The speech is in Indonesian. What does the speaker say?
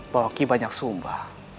bahwa kibanyak sumba